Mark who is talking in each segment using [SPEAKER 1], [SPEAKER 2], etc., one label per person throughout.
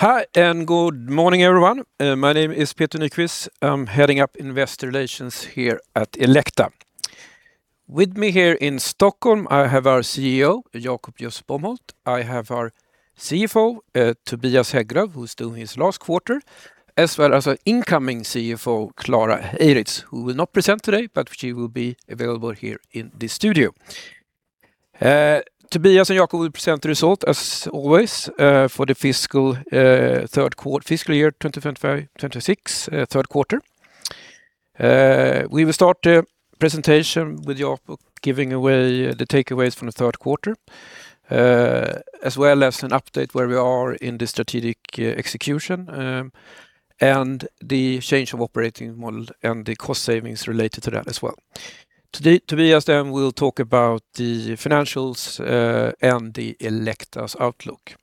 [SPEAKER 1] Hi, good morning, everyone. My name is Peter Nyquist. I'm heading up Investor Relations here at Elekta. With me here in Stockholm, I have our CEO, Jakob Just-Bomholt. I have our CFO, Tobias Hägglöv, who's doing his last quarter, as well as our incoming CFO, Klara Eiritz, who will not present today, but she will be available here in the studio. Tobias and Jakob will present the result as always, for the fiscal fiscal year 2025, 2026, third quarter. We will start the presentation with Jakob giving away the takeaways from the third quarter, as well as an update where we are in the strategic execution, and the change of operating model and the cost savings related to that as well. Today, Tobias then will talk about the financials, and Elekta's outlook.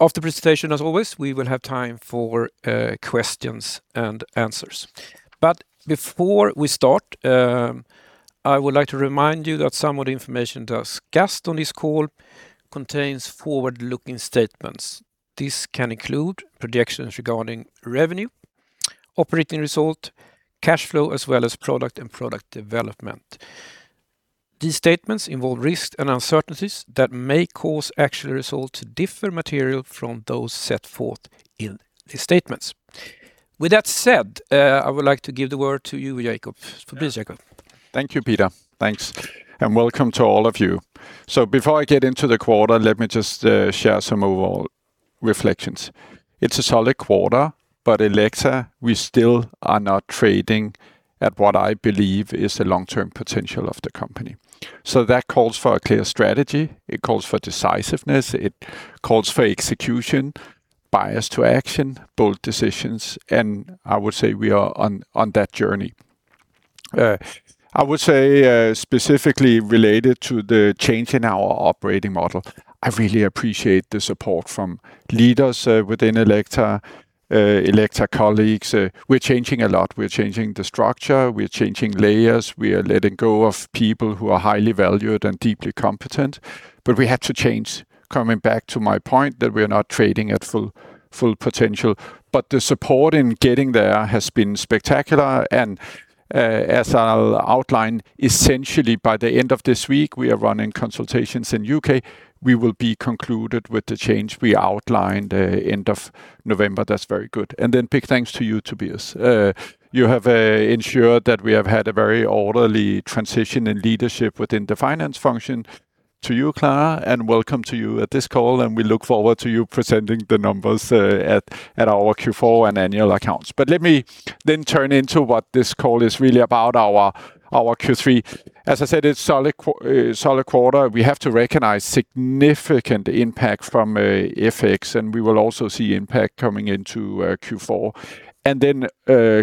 [SPEAKER 1] After presentation, as always, we will have time for questions and answers. Before we start, I would like to remind you that some of the information discussed on this call contains forward-looking statements. This can include projections regarding revenue, operating result, cash flow, as well as product and product development. These statements involve risks and uncertainties that may cause actual results to differ material from those set forth in these statements. With that said, I would like to give the word to you, Jakob. Please, Jakob.
[SPEAKER 2] Thank you, Peter. Thanks, and welcome to all of you. Before I get into the quarter, let me just share some overall reflections. It's a solid quarter, but Elekta, we still are not trading at what I believe is the long-term potential of the company. That calls for a clear strategy. It calls for decisiveness. It calls for execution, bias to action, bold decisions, and I would say we are on that journey. I would say specifically related to the change in our operating model, I really appreciate the support from leaders within Elekta colleagues. We're changing a lot. We're changing the structure. We're changing layers. We are letting go of people who are highly valued and deeply competent. We had to change, coming back to my point, that we are not trading at full potential. The support in getting there has been spectacular. As I'll outline, essentially by the end of this week, we are running consultations in U.K. We will be concluded with the change we outlined end of November. That's very good. Big thanks to you, Tobias. You have ensured that we have had a very orderly transition in leadership within the finance function. To you, Klara, and welcome to you at this call, and we look forward to you presenting the numbers at our Q4 and annual accounts. Let me turn into what this call is really about, our Q3. As I said, it's solid quarter. We have to recognize significant impact from FX, and we will also see impact coming into Q4.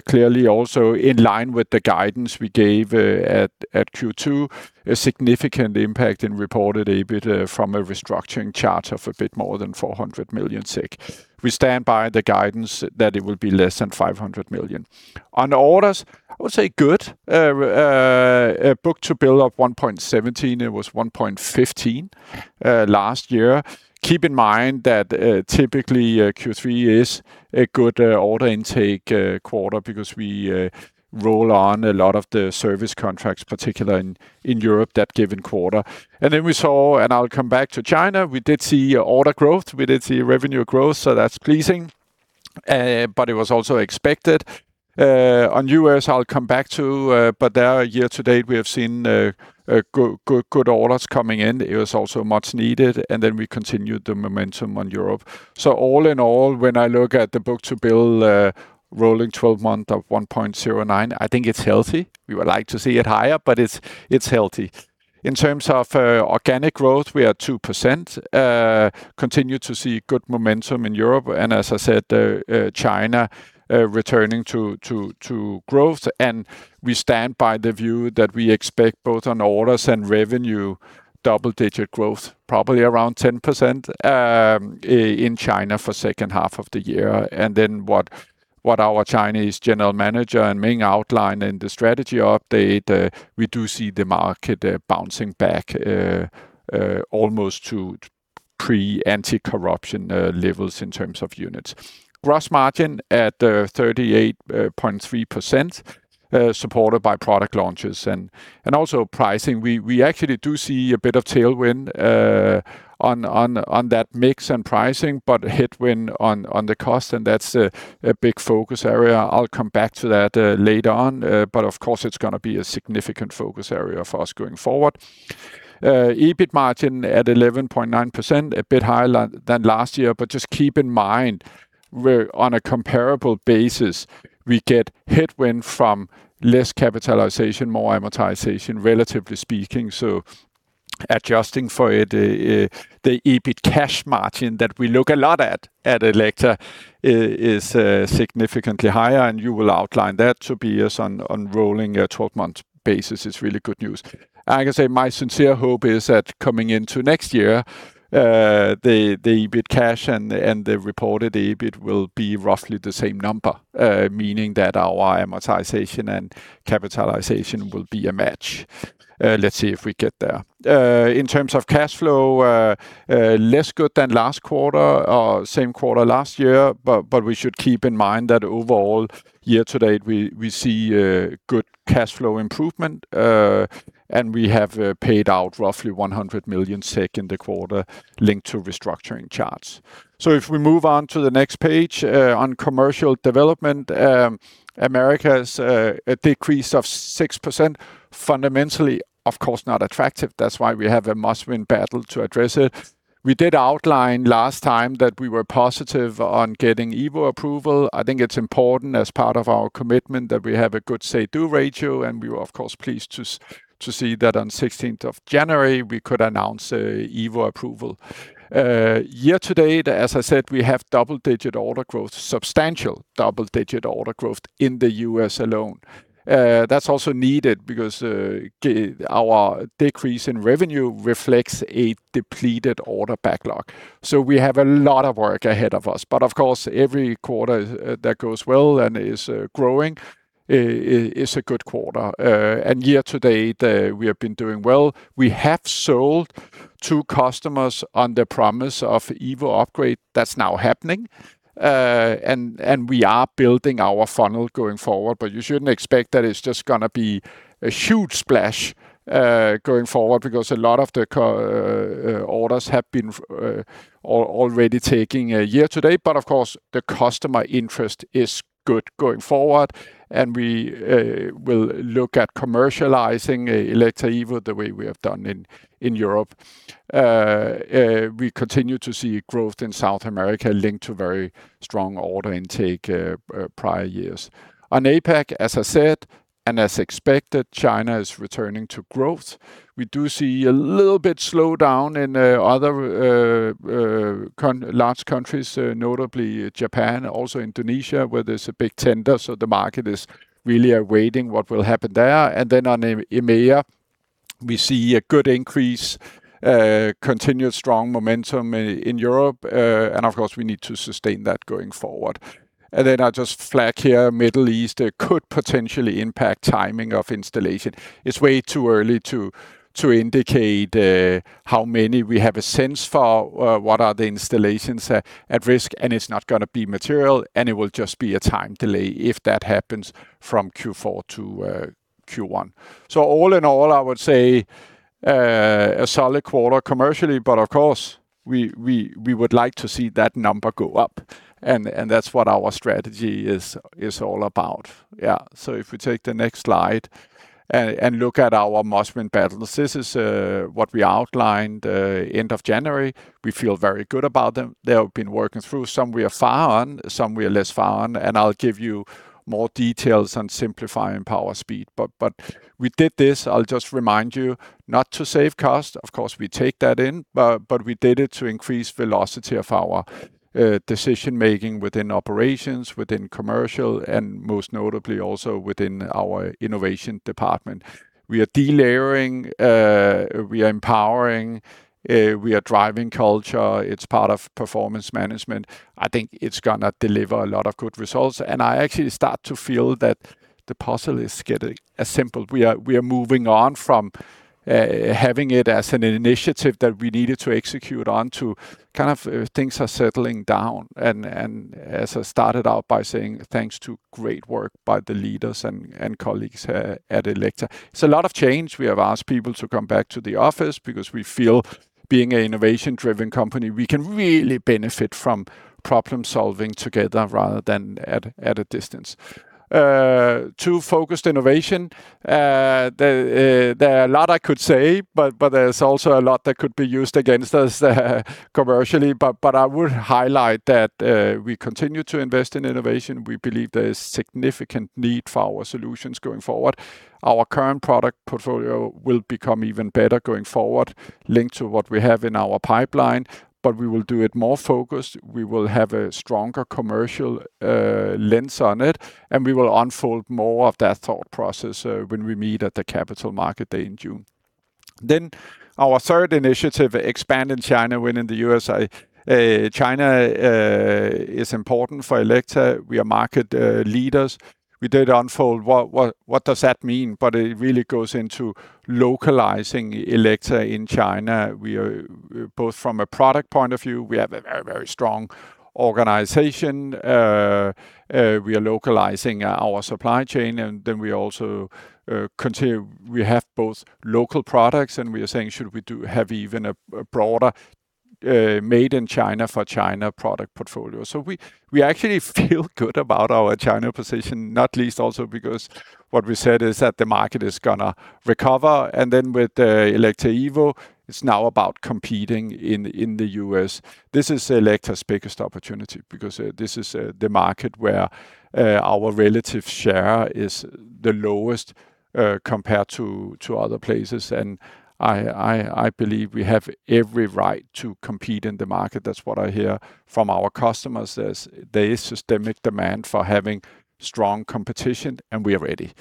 [SPEAKER 2] Clearly also in line with the guidance we gave at Q2, a significant impact in reported EBIT from a restructuring charge of a bit more than 400 million SEK. We stand by the guidance that it will be less than 500 million. On orders, I would say good. book-to-bill of 1.17. It was 1.15 last year. Keep in mind that typically Q3 is a good order intake quarter because we roll on a lot of the service contracts, particular in Europe that given quarter. We saw, and I'll come back to China, we did see order growth. We did see revenue growth, so that's pleasing. But it was also expected. On U.S., I'll come back to. There year-to-date we have seen good orders coming in. It was also much needed. We continued the momentum on Europe. All in all, when I look at the book-to-bill, rolling 12-month of 1.09, I think it's healthy. We would like to see it higher, but it's healthy. In terms of organic growth, we are 2%. Continue to see good momentum in Europe. As I said, China returning to growth. We stand by the view that we expect both on orders and revenue, double-digit growth, probably around 10% in China for second half of the year. What our Chinese General Manager Ming outlined in the strategy update, we do see the market bouncing back almost to pre-anti-corruption levels in terms of units. Gross margin at 38.3% supported by product launches and also pricing. We actually do see a bit of tailwind on that mix and pricing, but headwind on the cost, and that's a big focus area. I'll come back to that later on. Of course, it's gonna be a significant focus area for us going forward. EBIT margin at 11.9%, a bit higher than last year. Just keep in mind, we're on a comparable basis, we get headwind from less capitalization, more amortization, relatively speaking. Adjusting for it, the EBIT cash margin that we look a lot at Elekta is significantly higher, and you will outline that to be as on rolling a 12-month basis. It's really good news. I can say my sincere hope is that coming into next year, the EBIT cash and the reported EBIT will be roughly the same number, meaning that our amortization and capitalization will be a match. Let's see if we get there. In terms of cash flow, less good than last quarter or same quarter last year, but we should keep in mind that overall year-to-date, we see good cash flow improvement, and we have paid out roughly 100 million SEK second quarter linked to restructuring charges. If we move on to the next page, on commercial development, Americas, a decrease of 6%, fundamentally, of course, not attractive. That's why we have a Must-Win Battle to address it. We did outline last time that we were positive on getting Evo approval. I think it's important as part of our commitment that we have a good say do ratio, and we were of course pleased to see that on 16th January we could announce a Evo approval. Year to date, as I said, we have double-digit order growth, substantial double-digit order growth in the U.S. alone. That's also needed because our decrease in revenue reflects a depleted order backlog. We have a lot of work ahead of us, but of course, every quarter that goes well and is growing is a good quarter. Year to date, we have been doing well. We have sold to customers on the promise of Evo upgrade that's now happening, and we are building our funnel going forward. You shouldn't expect that it's just gonna be a huge splash going forward because a lot of the orders have been already taking a year to date. Of course, the customer interest is good going forward, and we will look at commercializing Elekta Evo the way we have done in Europe. We continue to see growth in South America linked to very strong order intake prior years. On APAC, as I said, and as expected, China is returning to growth. We do see a little bit slowdown in other large countries, notably Japan, also Indonesia, where there's a big tender, so the market is really awaiting what will happen there. On EM-EMEA, we see a good increase, continued strong momentum in Europe, and of course, we need to sustain that going forward. I'll just flag here, Middle East could potentially impact timing of installation. It's way too early to indicate how many we have a sense for what are the installations at risk, and it's not gonna be material, and it will just be a time delay if that happens from Q4 to Q1. All in all, I would say, a solid quarter commercially, but of course we would like to see that number go up, and that's what our strategy is all about. Yeah. If we take the next slide and look at our Must-Win Battles, this is what we outlined end of January. We feel very good about them. They have been working through some we are far on, some we are less far on, and I'll give you more details on Simplify, Power, Speed. We did this, I'll just remind you, not to save cost. Of course, we take that in, but we did it to increase velocity of our decision-making within operations, within commercial, and most notably also within our innovation department. We are delayering, we are empowering, we are driving culture. It's part of performance management. I think it's gonna deliver a lot of good results, and I actually start to feel that the puzzle is getting assembled. We are moving on from having it as an initiative that we needed to execute on to kind of things are settling down, and as I started out by saying, thanks to great work by the leaders and colleagues here at Elekta. It's a lot of change. We have asked people to come back to the office because we feel being an innovation-driven company, we can really benefit from problem-solving together rather than at a distance. Two focused innovation, there are a lot I could say, but there's also a lot that could be used against us commercially. I would highlight that we continue to invest in innovation. We believe there is significant need for our solutions going forward. Our current product portfolio will become even better going forward, linked to what we have in our pipeline, but we will do it more focused. We will have a stronger commercial lens on it, and we will unfold more of that thought process when we meet at the Capital Markets Day in June. Our third initiative, expand in China, win in the U.S. China is important for Elekta. We are market leaders. We did unfold what does that mean? But it really goes into localizing Elekta in China. We are, both from a product point of view, we have a very strong organization. We are localizing our supply chain, and we also continue. We have both local products, we are saying, "Should we have even a broader made in China for China product portfolio?" We actually feel good about our China position, not least also because what we said is that the market is gonna recover. With Elekta Evo, it's now about competing in the U.S. This is Elekta's biggest opportunity because this is the market where our relative share is the lowest compared to other places. I believe we have every right to compete in the market. That's what I hear from our customers, is there is systemic demand for having strong competition, and we are ready.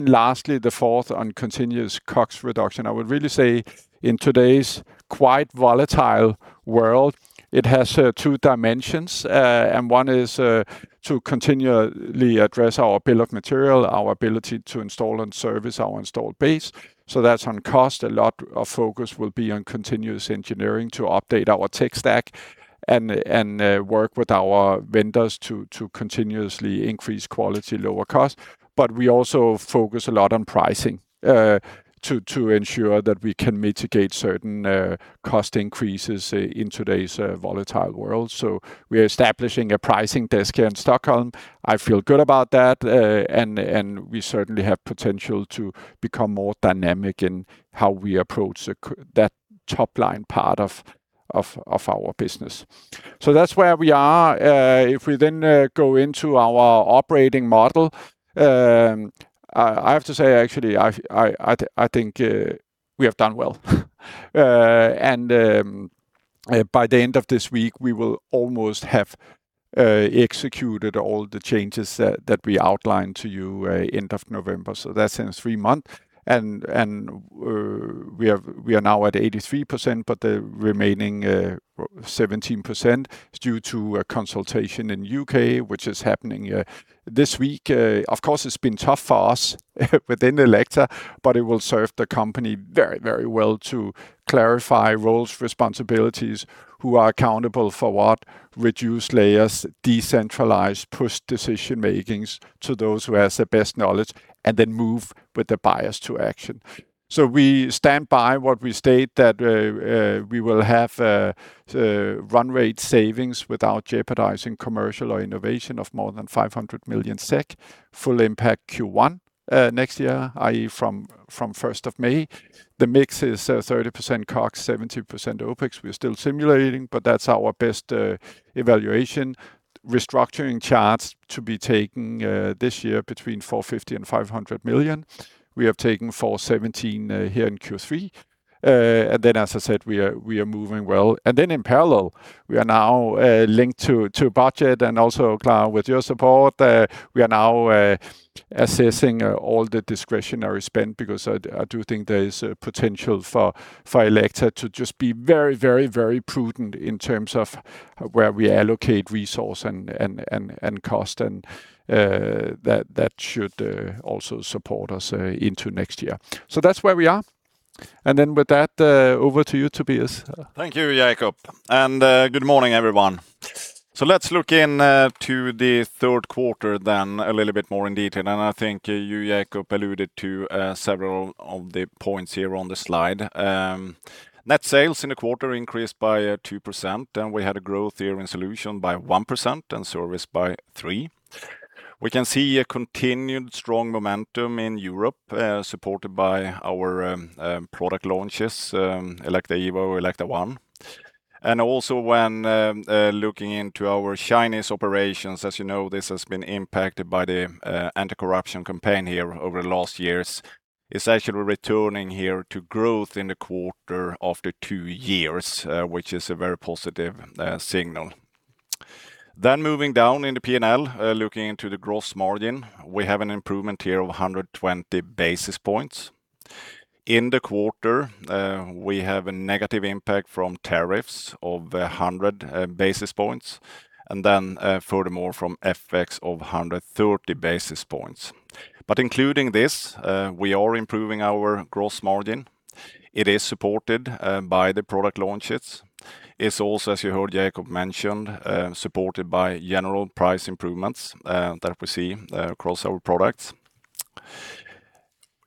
[SPEAKER 2] Lastly, the fourth on continuous COGS reduction. I would really say in today's quite volatile world, it has two dimensions. One is to continually address our bill of material, our ability to install and service our installed base, so that's on cost. A lot of focus will be on continuous engineering to update our tech stack and work with our vendors to continuously increase quality, lower cost. We also focus a lot on pricing to ensure that we can mitigate certain cost increases in today's volatile world. We're establishing a pricing desk here in Stockholm. I feel good about that, and we certainly have potential to become more dynamic in how we approach that top line part of our business. That's where we are. If we then go into our operating model, I have to say, actually, I think we have done well. By the end of this week, we will almost have executed all the changes that we outlined to you, end of November, so that's in 3 month. We are now at 83%, but the remaining 17% is due to a consultation in U.K., which is happening this week. Of course, it's been tough for us within Elekta, but it will serve the company very well to clarify roles, responsibilities, who are accountable for what, reduce layers, decentralize, push decision-makings to those who has the best knowledge, and then move with the bias to action. We stand by what we state that we will have the run rate savings without jeopardizing commercial or innovation of more than 500 million SEK, full impact Q1 next year, i.e., from first of May. The mix is 30% COGS, 70% OpEx. We're still simulating, but that's our best evaluation. Restructuring charts to be taken this year between 450 million-500 million. We have taken 417 million here in Q3. As I said, we are moving well. Then in parallel, we are now linked to budget and also, [Claes], with your support, we are now assessing all the discretionary spend because I do think there is potential for Elekta to just be very, very, very prudent in terms of where we allocate resource and cost. That should also support us into next year. That's where we are. Then with that, over to you, Tobias.
[SPEAKER 3] Thank you, Jakob, good morning, everyone. Let's look into the third quarter then a little bit more in detail. I think you, Jakob, alluded to several of the points here on the slide. Net sales in the quarter increased by 2%, and we had a growth here in solution by 1% and service by 3%. We can see a continued strong momentum in Europe, supported by our product launches, Elekta Evo, Elekta ONE. Also when looking into our Chinese operations, as you know, this has been impacted by the anti-corruption campaign here over the last years. It's actually returning here to growth in the quarter after 2 years, which is a very positive signal. Moving down in the P&L, looking into the gross margin, we have an improvement here of 120 basis points. In the quarter, we have a negative impact from tariffs of 100 basis points, furthermore, from FX of 130 basis points. Including this, we are improving our gross margin. It is supported by the product launches. It is also, as you heard Jakob mention, supported by general price improvements that we see across our products.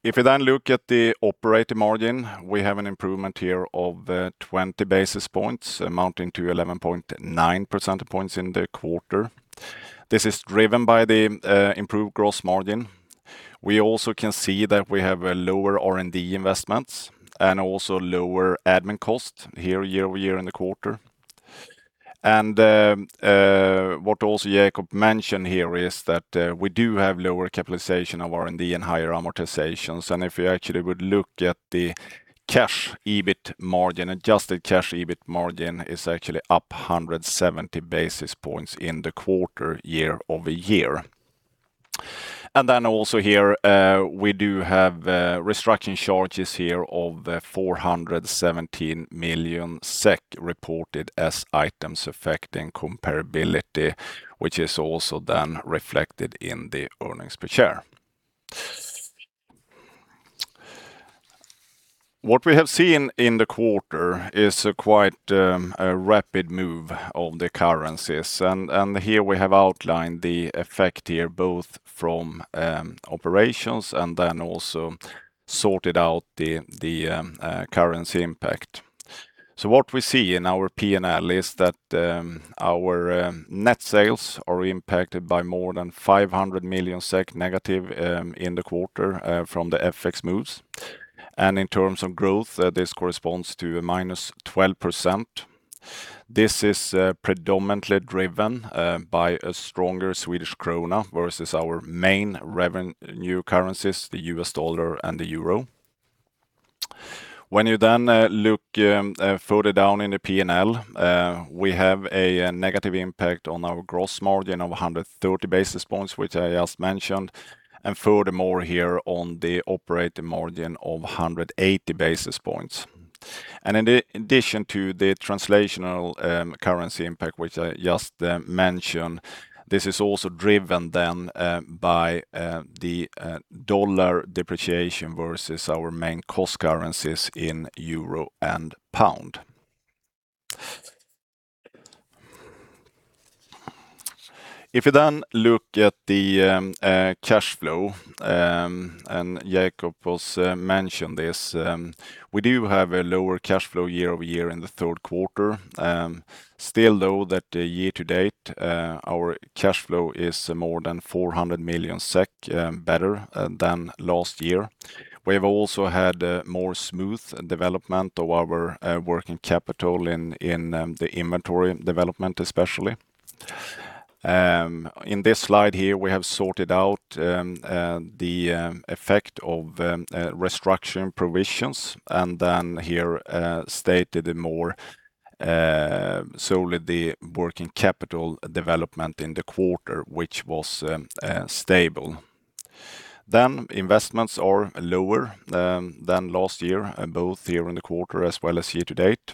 [SPEAKER 3] If you then look at the operating margin, we have an improvement here of 20 basis points amounting to 11.9 percentage points in the quarter. This is driven by the improved gross margin. We also can see that we have a lower R&D investments and also lower admin costs here year-over-year in the quarter. What also Jakob mentioned here is that we do have lower capitalization of R&D and higher amortizations. If you actually would look at the cash EBIT margin, adjusted cash EBIT margin is actually up 170 basis points in the quarter year-over-year. Also here, we do have restructuring charges here of 417 million SEK reported as items affecting comparability, which is also then reflected in the earnings per share. What we have seen in the quarter is a quite rapid move of the currencies. Here we have outlined the effect here both from operations and then also sorted out the currency impact. What we see in our P&L is that our net sales are impacted by more than 500 million SEK- in the quarter from the FX moves. In terms of growth, this corresponds to a -12%. This is predominantly driven by a stronger Swedish krona versus our main revenue currencies, the U.S. dollar and the euro. When you look further down in the P&L, we have a negative impact on our gross margin of 130 basis points, which I just mentioned, and furthermore here on the operating margin of 180 basis points. In addition to the translational currency impact, which I just mentioned, this is also driven by the dollar depreciation versus our main cost currencies in euro and pound. If you then look at the cash flow, and Jakob was mentioned this, we do have a lower cash flow year-over-year in the third quarter. Still though that year-to-date, our cash flow is more than 400 million SEK better than last year. We've also had a more smooth development of our working capital in the inventory development, especially. In this slide here, we have sorted out the effect of restructuring provisions and then here stated a more solely the working capital development in the quarter, which was stable. Investments are lower than last year, both here in the quarter as well as year-to-date.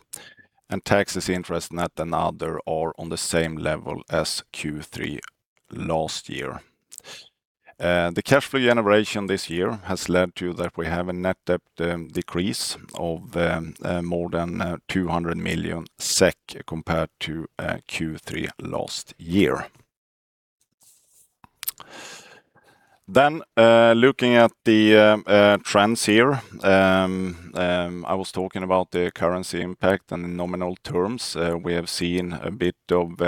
[SPEAKER 3] Taxes interest net and other are on the same level as Q3 last year. The cash flow generation this year has led to that we have a net debt decrease of more than 200 million SEK compared to Q3 last year. Looking at the trends here, I was talking about the currency impact in nominal terms. We have seen a bit of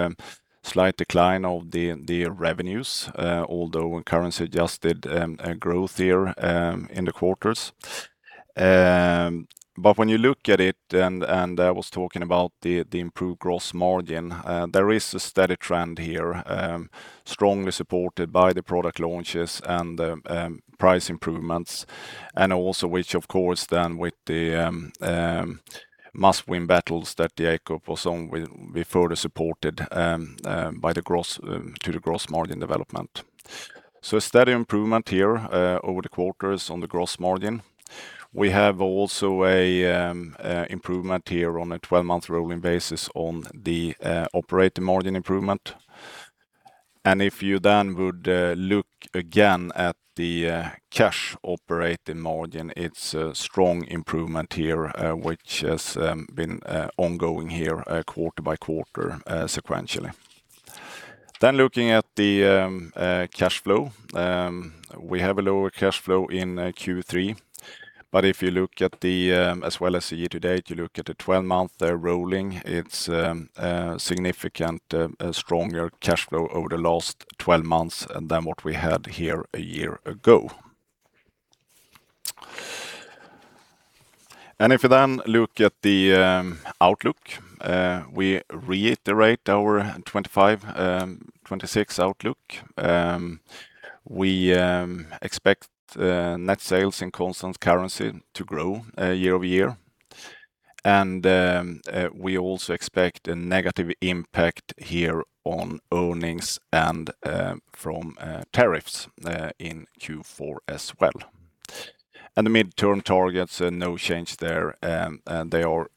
[SPEAKER 3] slight decline of the revenues, although currency adjusted growth here in the quarters. When you look at it and I was talking about the improved gross margin, there is a steady trend here, strongly supported by the product launches and the price improvements, and also which of course then with the Must-Win Battles that Jakob was on will be further supported by the gross to the gross margin development. A steady improvement here over the quarters on the gross margin. We have also a improvement here on a 12-month rolling basis on the operating margin improvement. If you then would look again at the cash operating margin, it's a strong improvement here, which has been ongoing here quarter-by-quarter sequentially. Looking at the cash flow, we have a lower cash flow in Q3. If you look at the as well as the year-to-date, you look at the 12-month there rolling, it's significant stronger cash flow over the last 12 months than what we had here a year ago. If you then look at the outlook, we reiterate our 2025, 2026 outlook. We expect net sales in constant currency to grow year-over-year. We also expect a negative impact here on earnings and from tariffs in Q4 as well. The midterm targets, no change there. They are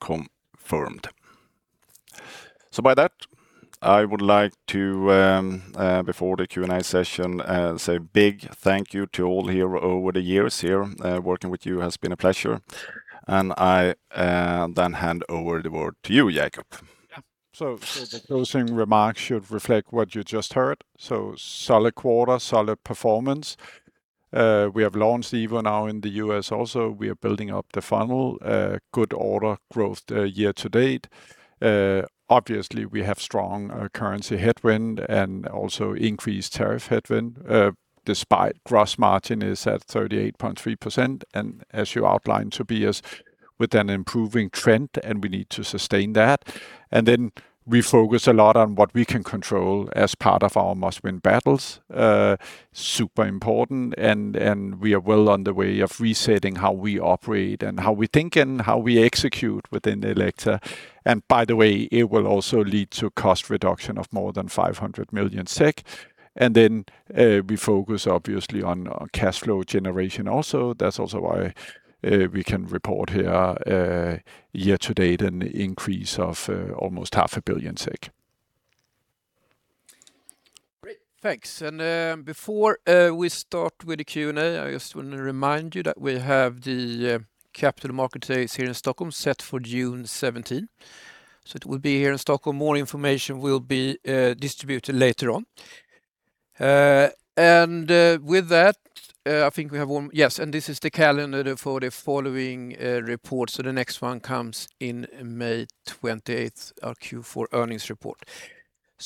[SPEAKER 3] confirmed. By that, I would like to before the Q&A session say big thank you to all here over the years here. Working with you has been a pleasure. I then hand over the word to you, Jakob.
[SPEAKER 2] The closing remarks should reflect what you just heard. Solid quarter, solid performance. We have launched Evo now in the U.S. also. We are building up the funnel. Good order growth, year to date. Obviously we have strong currency headwind and also increased tariff headwind, despite gross margin is at 38.3%. As you outlined, Tobias, with an improving trend, and we need to sustain that. We focus a lot on what we can control as part of our Must-Win Battles. Super important, and we are well on the way of resetting how we operate and how we think and how we execute within Elekta. It will also lead to cost reduction of more than 500 million SEK. We focus obviously on cash flow generation also. That's also why, we can report here, year to date an increase of, almost half a billion SEK.
[SPEAKER 1] Great. Thanks. Before we start with the Q&A, I just want to remind you that we have the Capital Markets Day here in Stockholm set for June 17th. It will be here in Stockholm. More information will be distributed later on. With that, this is the calendar for the following report. The next one comes in May 28th, our Q4 earnings report.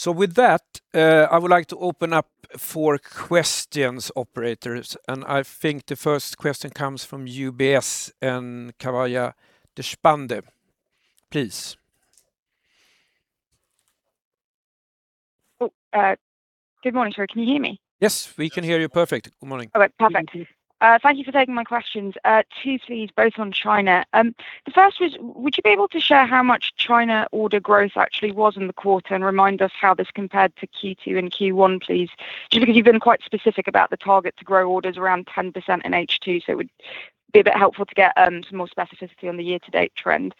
[SPEAKER 1] With that, I would like to open up for questions, operators. I think the first question comes from UBS and Kavya Deshpande. Please.
[SPEAKER 4] Good morning, sir. Can you hear me?
[SPEAKER 1] Yes, we can hear you perfect. Good morning.
[SPEAKER 4] All right. Perfect. Thank you for taking my questions. Two please, both on China. The first was, would you be able to share how much China order growth actually was in the quarter, and remind us how this compared to Q2 and Q1, please? Just because you've been quite specific about the target to grow orders around 10% in H2, so it would be a bit helpful to get some more specificity on the year-to-date trend.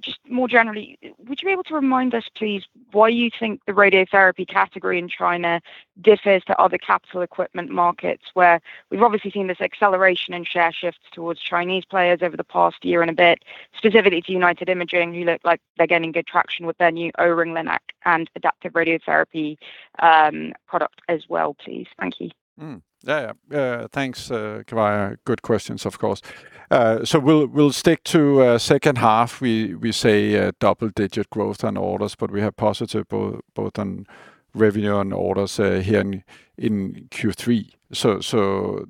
[SPEAKER 4] Just more generally, would you be able to remind us, please, why you think the radiotherapy category in China differs to other capital equipment markets where we've obviously seen this acceleration in share shifts towards Chinese players over the past year and a bit, specifically to United Imaging, who look like they're gaining good traction with their new O-ring LINAC and adaptive radiation therapy, product as well, please. Thank you.
[SPEAKER 2] Yeah. Yeah. Thanks, Kavya. Good questions, of course. We'll stick to second half. We say double-digit growth on orders, but we have positive both on revenue and orders here in Q3.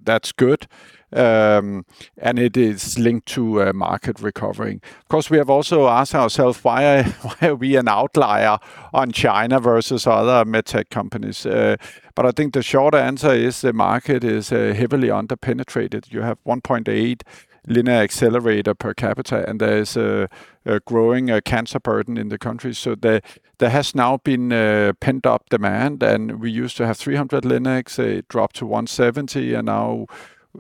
[SPEAKER 2] That's good. It is linked to a market recovering. Of course, we have also asked ourselves why are we an outlier on China versus other medtech companies. I think the short answer is the market is heavily under-penetrated. You have 1.8 linear accelerator per capita, and there is a growing cancer burden in the country. There has now been pent-up demand. We used to have 300 LINACs, it dropped to 170, now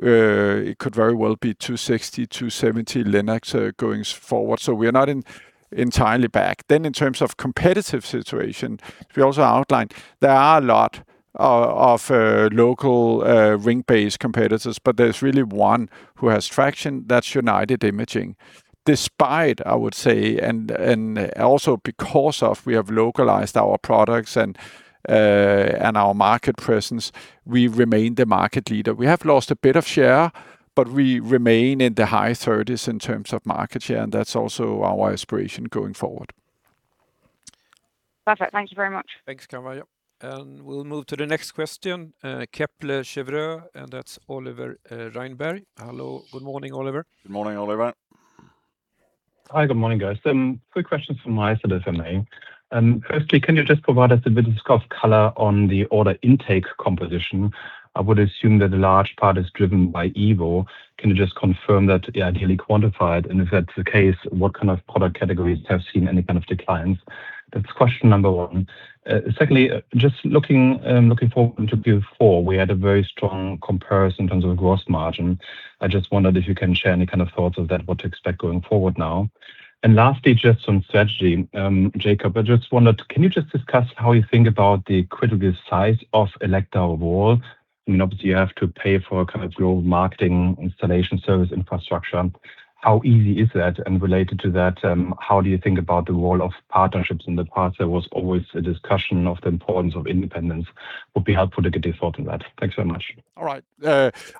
[SPEAKER 2] it could very well be 260, 270 LINACs going forward. We are not entirely back. In terms of competitive situation, we also outlined there are a lot of local ring-based competitors, but there's really one who has traction, that's United Imaging. Despite, I would say, and also because of, we have localized our products and our market presence, we remain the market leader. We have lost a bit of share, but we remain in the high thirties in terms of market share, and that's also our aspiration going forward.
[SPEAKER 4] Perfect. Thank you very much.
[SPEAKER 1] Thanks, Kavya. We'll move to the next question. Kepler Cheuvreux, and that's Oliver Reinberg. Hello. Good morning, Oliver.
[SPEAKER 2] Good morning, Oliver.
[SPEAKER 5] Hi, good morning, guys. Quick question from my side of MA. Firstly, can you just provide us a bit of color on the order intake composition? I would assume that a large part is driven by Evo. Can you just confirm that, ideally quantified? If that's the case, what kind of product categories have seen any kind of declines? That's question number one. Secondly, just looking forward to Q4, we had a very strong comparison in terms of gross margin. I just wondered if you can share any kind of thoughts of that, what to expect going forward now. Lastly, just on strategy, Jakob, I just wondered, can you just discuss how you think about the critical size of Elekta overall? I mean, obviously, you have to pay for kind of global marketing, installation, service, infrastructure. How easy is that? Related to that, how do you think about the role of partnerships? In the past, there was always a discussion of the importance of independence. Would be helpful to get your thought on that. Thanks so much.
[SPEAKER 2] All right.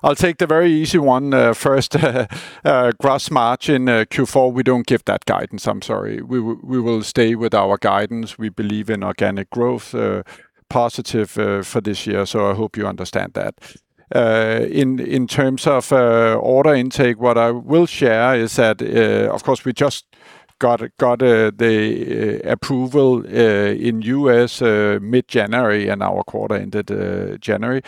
[SPEAKER 2] I'll take the very easy one first. Gross margin, Q4, we don't give that guidance. I'm sorry. We will stay with our guidance. We believe in organic growth positive for this year. I hope you understand that. In terms of order intake, what I will share is that, of course, we just got the approval in U.S. mid-January, and our quarter ended January.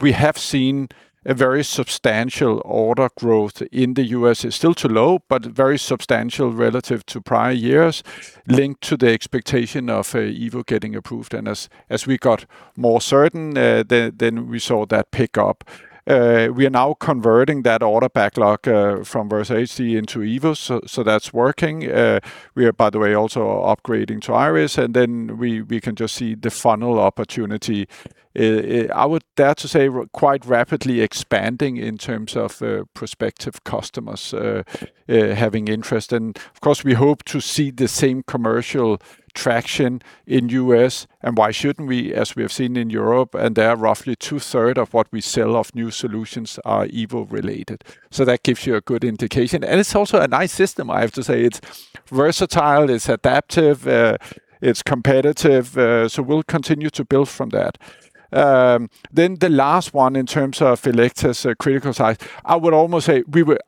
[SPEAKER 2] We have seen a very substantial order growth in the U.S. It's still too low, but very substantial relative to prior years, linked to the expectation of EVO getting approved. As we got more certain, then we saw that pick up. We are now converting that order backlog from Versa HD into EVO, so that's working. We are, by the way, also upgrading to Iris, and then we can just see the funnel opportunity, I would dare to say quite rapidly expanding in terms of prospective customers, having interest. Of course, we hope to see the same commercial traction in U.S., and why shouldn't we, as we have seen in Europe. There, roughly 2/3 of what we sell of new solutions are Evo related. That gives you a good indication. It's also a nice system, I have to say. It's versatile, it's adaptive, it's competitive, so we'll continue to build from that. The last one in terms of Elekta's critical size, I would almost say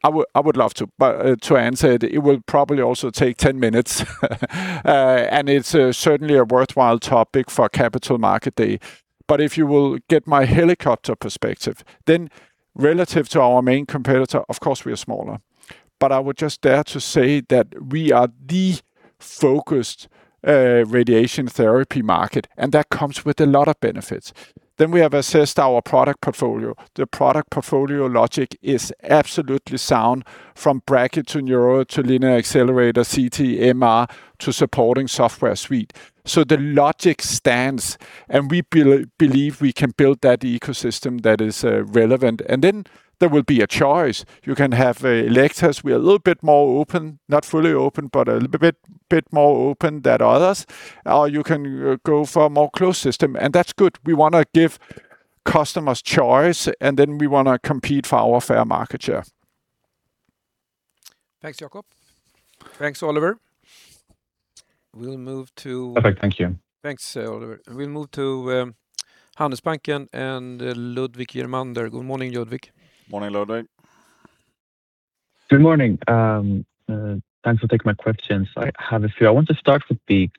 [SPEAKER 2] I would love to answer it. It would probably also take 10 minutes. It's certainly a worthwhile topic for Capital Markets Day. If you will get my helicopter perspective, relative to our main competitor, of course we are smaller. I would just dare to say that we are the focused radiation therapy market, and that comes with a lot of benefits. We have assessed our product portfolio. The product portfolio logic is absolutely sound, from Brachy to Neuro to linear accelerator, CT, MR, to supporting software suite. The logic stands, and we believe we can build that ecosystem that is relevant. There will be a choice. You can have Elekta's. We are a little bit more open, not fully open, but a little bit more open than others. You can go for a more closed system, and that's good. We wanna give customers choice, and then we wanna compete for our fair market share.
[SPEAKER 1] Thanks, Jakob. Thanks, Oliver.
[SPEAKER 5] Perfect. Thank you.
[SPEAKER 1] Thanks, Oliver. We'll move to Handelsbanken and Ludwig Germunder. Good morning, Ludvig.
[SPEAKER 2] Morning, Ludwig.
[SPEAKER 6] Good morning. Thanks for taking my questions. I have a few. I want to start with the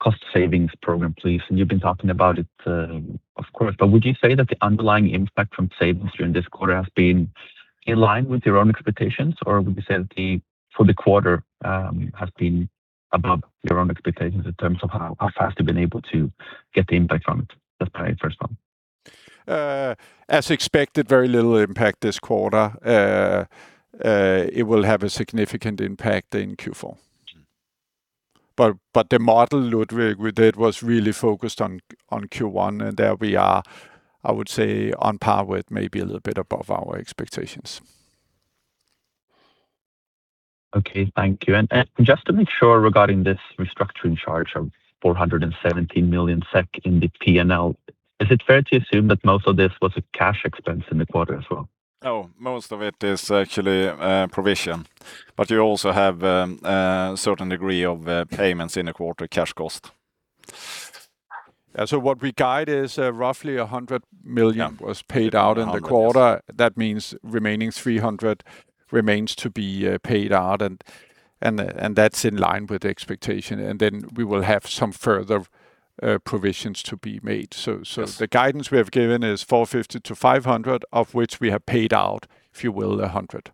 [SPEAKER 6] cost savings program, please, and you've been talking about it, of course. Would you say that the underlying impact from savings during this quarter has been in line with your own expectations, or would you say that, for the quarter, has been above your own expectations in terms of how fast you've been able to get the impact from it? Let's try it first one.
[SPEAKER 2] As expected, very little impact this quarter. It will have a significant impact in Q4. The model, Ludwig, we did was really focused on Q1, and there we are, I would say, on par with maybe a little bit above our expectations.
[SPEAKER 6] Okay. Thank you. Just to make sure regarding this restructuring charge of 417 million SEK in the P&L, is it fair to assume that most of this was a cash expense in the quarter as well?
[SPEAKER 2] Most of it is actually provision, but you also have certain degree of payments in a quarter cash cost. What we guide is roughly 100 million.
[SPEAKER 6] Yeah.
[SPEAKER 2] was paid out in the quarter. That means remaining 300 remains to be paid out and that's in line with the expectation. Then we will have some further provisions to be made.
[SPEAKER 6] Yes.
[SPEAKER 2] The guidance we have given is 450-500, of which we have paid out, if you will, 100.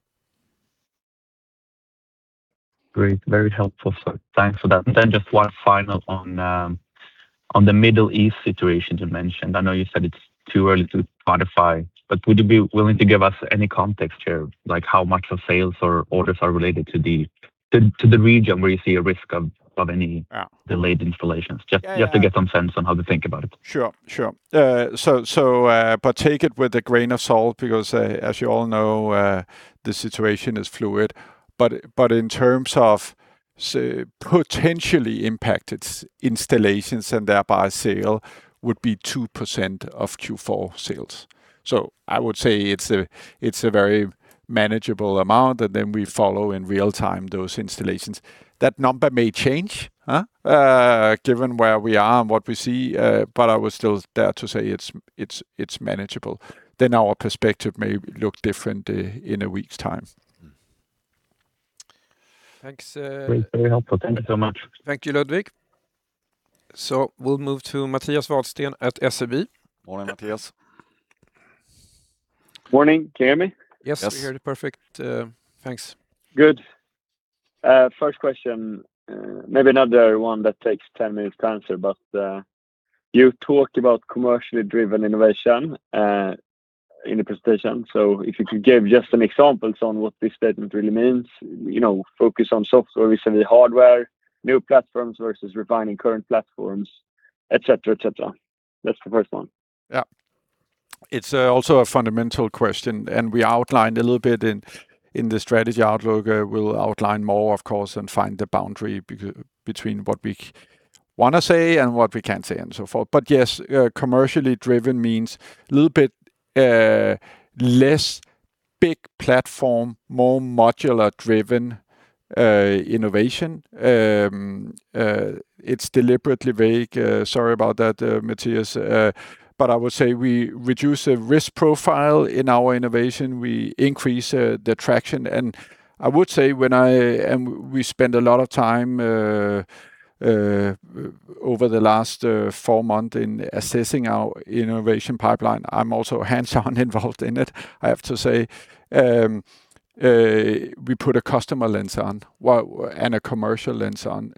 [SPEAKER 6] Great. Very helpful, sir. Thanks for that. Then just one final on the Middle East situation you mentioned. I know you said it's too early to quantify, but would you be willing to give us any context here, like how much of sales or orders are related to the region where you see a risk of?
[SPEAKER 2] Yeah.
[SPEAKER 6] delayed installations?
[SPEAKER 2] Yeah, yeah.
[SPEAKER 6] Just to get some sense on how to think about it.
[SPEAKER 2] Sure. Sure. But take it with a grain of salt because, as you all know, the situation is fluid. In terms of potentially impacted installations and thereby sale would be 2% of Q4 sales. I would say it's a very manageable amount, and then we follow in real-time those installations. That number may change, huh, given where we are and what we see, but I would still dare to say it's manageable. Our perspective may look different, in a week's time.
[SPEAKER 6] Mm-hmm.
[SPEAKER 2] Thanks.
[SPEAKER 6] Great. Very helpful. Thank you so much.
[SPEAKER 1] Thank you, Ludwig. We'll move to Mattias Vadsten at SEB. Morning, Mattias.
[SPEAKER 7] Morning. Can you hear me?
[SPEAKER 1] Yes.
[SPEAKER 2] Yes.
[SPEAKER 1] We hear you perfect. Thanks.
[SPEAKER 7] Good. First question, maybe another one that takes 10 minutes to answer, you talked about commercially driven innovation in the presentation. If you could give just an examples on what this statement really means, you know, focus on software recently, hardware, new platforms versus refining current platforms, et cetera, et cetera. That's the first one.
[SPEAKER 2] Yeah. It's also a fundamental question, and we outlined a little bit in the strategy outlook. We'll outline more, of course, and find the boundary between what we wanna say and what we can say and so forth. Yes, commercially driven means little bit less big platform, more modular driven innovation. It's deliberately vague. Sorry about that, Mathias. I would say we reduce a risk profile in our innovation. We increase the traction. I would say when we spend a lot of time over the last four month in assessing our innovation pipeline. I'm also hands-on involved in it, I have to say. We put a customer lens on and a commercial lens on,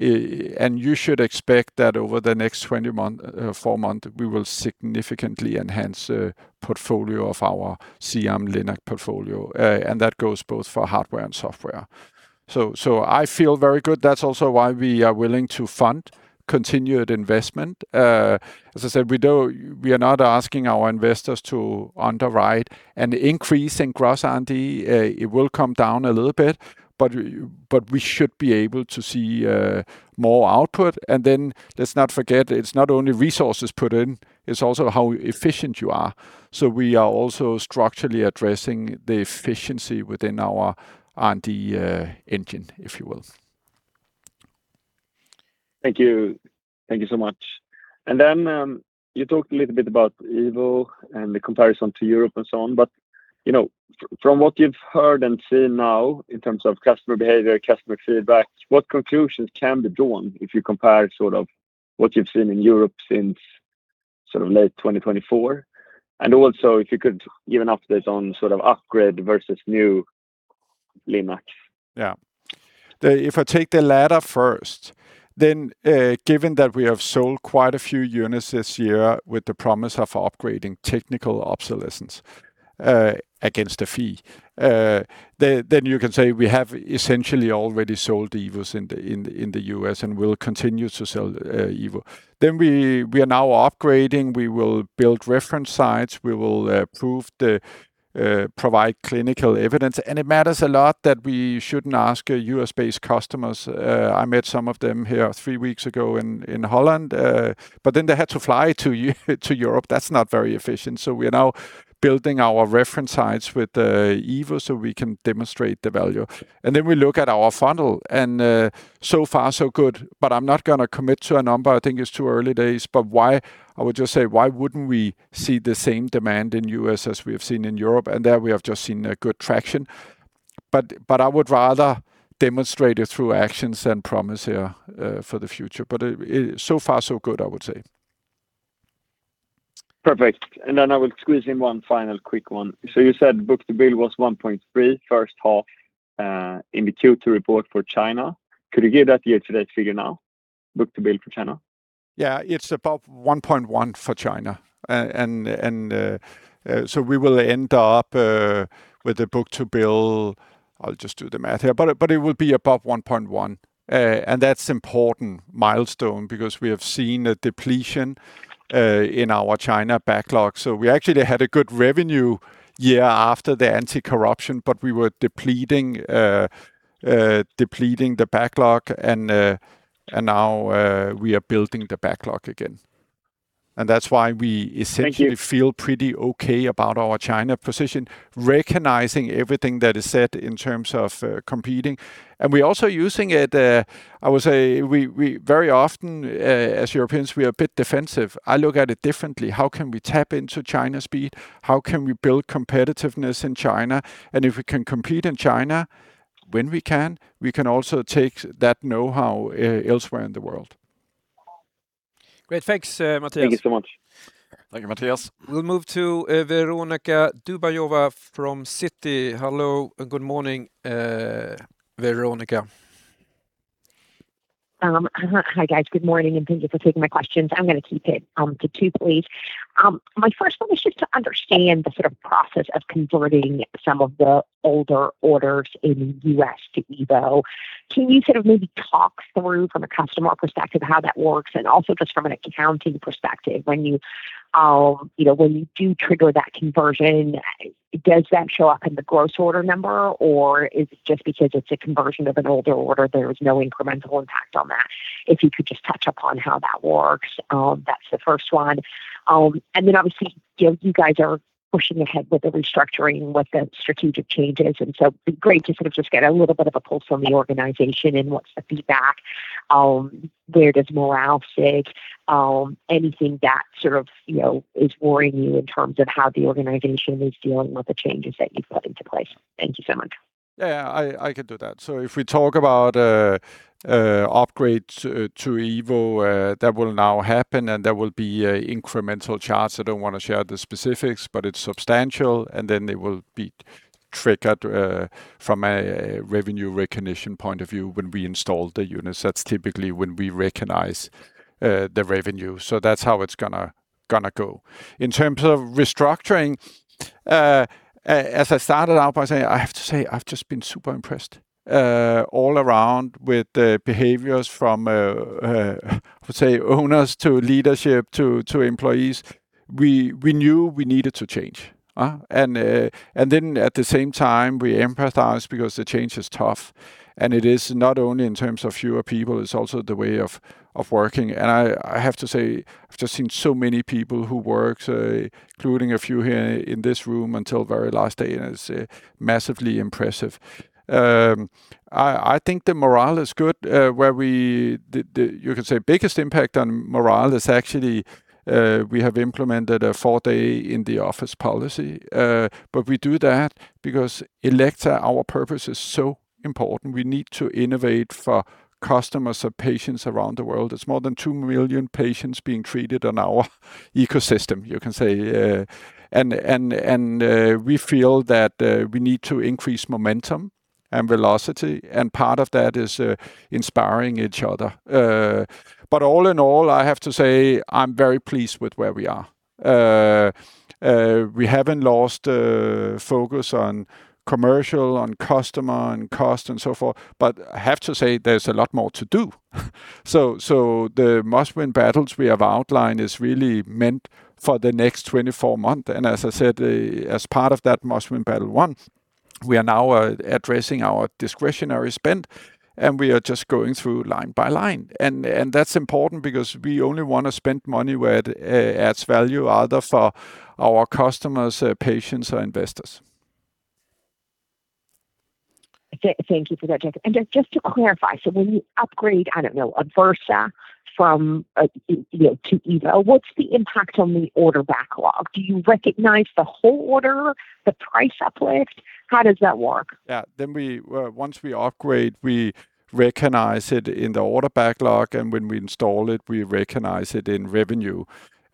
[SPEAKER 2] and you should expect that over the next 20 month, 4 month, we will significantly enhance the portfolio of our CM LINAC portfolio. That goes both for hardware and software. I feel very good. That's also why we are willing to fund continued investment. As I said, we are not asking our investors to underwrite an increase in gross R&D. It will come down a little bit, but we should be able to see more output. Let's not forget, it's not only resources put in, it's also how efficient you are. We are also structurally addressing the efficiency within our R&D engine, if you will.
[SPEAKER 7] Thank you. Thank you so much. You talked a little bit about Evo and the comparison to Europe and so on, but, you know, from what you've heard and seen now in terms of customer behavior, customer feedback, what conclusions can be drawn if you compare sort of what you've seen in Europe since sort of late 2024? Also, if you could give an update on sort of upgrade versus new LINACs.
[SPEAKER 2] Yeah. If I take the latter first, then, given that we have sold quite a few units this year with the promise of upgrading technical obsolescence, against a fee, then you can say we have essentially already sold the EVOs in the U.S. and will continue to sell EVO. We are now upgrading. We will build reference sites. We will provide clinical evidence. It matters a lot that we shouldn't ask U.S.-based customers. I met some of them here three weeks ago in Holland. They had to fly to Europe. That's not very efficient. We are now building our reference sites with EVO, so we can demonstrate the value. We look at our funnel, and so far so good. I'm not gonna commit to a number. I think it's too early days. I would just say, why wouldn't we see the same demand in U.S. as we have seen in Europe? There we have just seen a good traction. I would rather demonstrate it through actions than promise here, for the future. It so far so good, I would say.
[SPEAKER 7] Perfect. I will squeeze in one final quick one. You said book-to-bill was 1.3 first half in the Q2 report for China. Could you give that year-to-date figure now, book-to-bill for China?
[SPEAKER 2] Yeah. It's above 1.1 for China. We will end up with a book-to-bill... I'll just do the math here, but it will be above 1.1. That's important milestone because we have seen a depletion in our China backlog. We actually had a good revenue, yeah, after the anti-corruption, but we were depleting the backlog and now we are building the backlog again. That's why we.
[SPEAKER 7] Thank you.
[SPEAKER 2] feel pretty okay about our China position, recognizing everything that is said in terms of competing. We're also using it. I would say very often, as Europeans, we are a bit defensive. I look at it differently. How can we tap into China speed? How can we build competitiveness in China? If we can compete in China, when we can, we can also take that know-how elsewhere in the world.
[SPEAKER 1] Great. Thanks, Mattias.
[SPEAKER 7] Thank you so much.
[SPEAKER 3] Thank you, Mattias.
[SPEAKER 1] We'll move to Veronika Dubajova from Citi. Hello and good morning, Veronika.
[SPEAKER 8] Hi, guys. Good morning, and thank you for taking my questions. I'm gonna keep it to two, please. My first one was just to understand the sort of process of converting some of the older orders in U.S. to Evo. Can you sort of maybe talk through from a customer perspective how that works and also just from an accounting perspective, when you know, when you do trigger that conversion, does that show up in the gross order number, or is it just because it's a conversion of an older order, there is no incremental impact on that? If you could just touch upon how that works. That's the first one. Obviously, you know, you guys are pushing ahead with the restructuring, with the strategic changes, and so it'd be great to sort of just get a little bit of a pulse on the organization and what's the feedback. Where does morale sit? Anything that sort of, you know, is worrying you in terms of how the organization is dealing with the changes that you've put into place. Thank you so much.
[SPEAKER 2] Yeah. I can do that. If we talk about upgrade to EVO, that will now happen, and there will be incremental charge. I don't wanna share the specifics, but it's substantial, and then it will be triggered from a revenue recognition point of view when we install the units. That's typically when we recognize the revenue. That's how it's gonna go. In terms of restructuring, as I started out by saying, I have to say, I've just been super impressed all around with the behaviors from say owners to leadership to employees. We knew we needed to change, huh? At the same time, we empathize because the change is tough, and it is not only in terms of fewer people, it's also the way of working. I have to say, I've just seen so many people who work, including a few here in this room, until very last day, and it's massively impressive. I think the morale is good. You could say biggest impact on morale is actually, we have implemented a four-day in-the-office policy. We do that because Elekta, our purpose is so important. We need to innovate for customers or patients around the world. It's more than 2 million patients being treated on our ecosystem, you can say. We feel that we need to increase momentum and velocity, and part of that is inspiring each other. All in all, I have to say, I'm very pleased with where we are. we haven't lost focus on commercial, on customer, on cost, and so forth, but I have to say there's a lot more to do. The Must-Win Battles we have outlined is really meant for the next 24 month. As I said, as part of that Must-Win Battle 1, we are now addressing our discretionary spend, and we are just going through line by line. That's important because we only wanna spend money where it adds value either for our customers, patients, or investors.
[SPEAKER 8] Thank you for that, Jakob. Just to clarify, when you upgrade, I don't know, a Versa from a, you know, to EVO, what's the impact on the order backlog? Do you recognize the whole order, the price uplift? How does that work?
[SPEAKER 2] Yeah. We, once we upgrade, we recognize it in the order backlog, and when we install it, we recognize it in revenue.